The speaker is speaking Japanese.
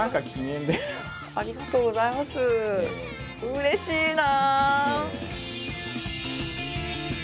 うれしいな！